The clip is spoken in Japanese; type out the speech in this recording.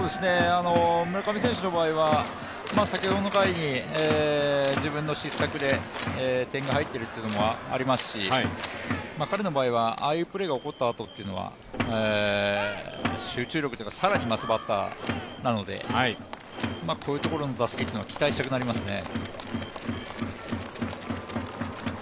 村上選手の場合は、先ほどの回に自分の失策で点が入っているというのもありますし、彼の場合はああいうプレーが起こったあとは集中力が更に増すバッターなのでこういうところの打席というのは期待したくなりますね。